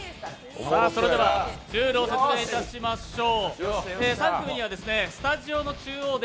ルールを説明いたしましょう。